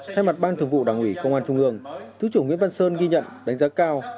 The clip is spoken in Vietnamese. thay mặt ban thường vụ đảng ủy công an trung ương thứ trưởng nguyễn văn sơn ghi nhận đánh giá cao